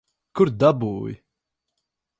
Kur dabūji?